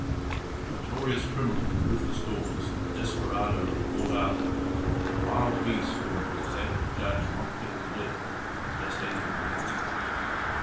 The notorious criminal, Rufus Dawes, the desperado of Port Arthur, the wild beast whom the Gazette had judged not fit to live, had just entered the witness box.